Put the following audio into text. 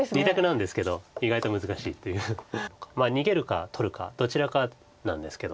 逃げるか取るかどちらかなんですけど。